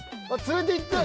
連れていく。